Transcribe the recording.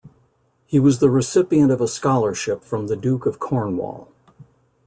He was the recipient of a scholarship from the Duke of Cornwall.